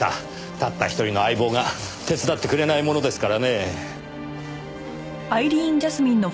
たった一人の相棒が手伝ってくれないものですからね。